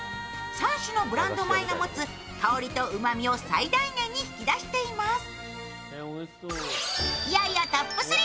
３種のブランド米が持つ香りとうまみを最大限に引き出しています。